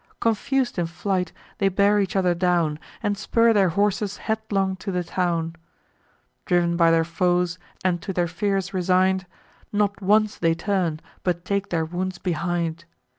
Confus'd in flight, they bear each other down, And spur their horses headlong to the town. Driv'n by their foes, and to their fears resign'd, Not once they turn, but take their wounds behind.